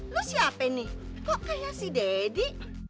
lo siapa ini kok kayak si deddy